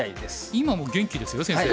今も元気ですよ先生。